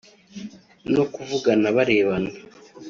no kuvugana barebana